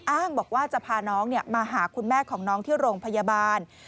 อ้างบอกว่าจะพาน้องมาหาคุณแม่ของน้องที่โรงพยาบาล